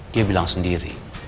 dia bilang sendiri